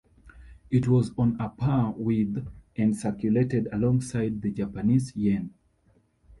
It was on a par with and circulated alongside the Japanese yen.